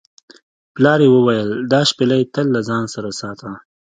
پلار یې وویل دا شپیلۍ تل له ځان سره ساته.